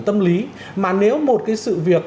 tâm lý mà nếu một cái sự việc